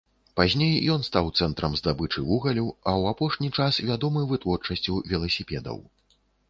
Пазней, ён стаў цэнтрам здабычы вугалю, а ў апошні час вядомы вытворчасцю веласіпедаў.